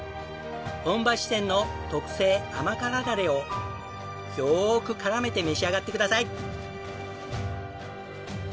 本場四川の特製甘辛ダレをよーく絡めて召し上がってください！